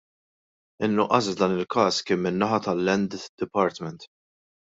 In-nuqqas f'dan il-każ kien min-naħa tal-Land Department.